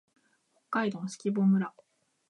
北海道色丹村